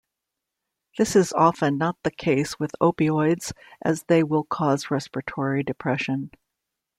This is often not the case with opioids as they will cause respiratory depression.